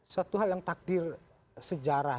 suatu hal yang takdir sejarah